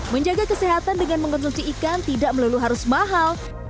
menjaga kesehatan dengan mengonsumsi ikan tidak melulu harus mahal